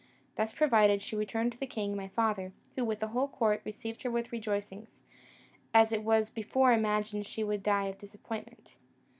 Thus provided, she returned to the king my father, who, with the whole court, received her with rejoicings, as it was before imagined she would die of disappointment.